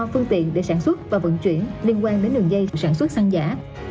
ba phương tiện để sản xuất và vận chuyển liên quan đến đường dây sản xuất xăng giả